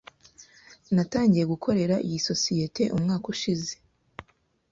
Natangiye gukorera iyi sosiyete umwaka ushize.